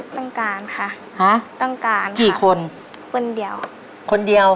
ต้องการค่ะฮะต้องการกี่คนคนเดียวคนเดียว